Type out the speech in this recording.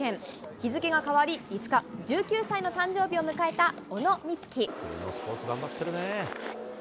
日付が変わり５日、１９歳の誕生日を迎えた小野光希。